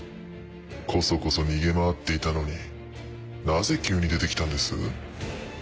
コソコソ逃げ回っていたのになぜ急に出てきたんです？